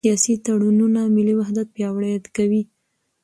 سیاسي تړونونه ملي وحدت پیاوړی کوي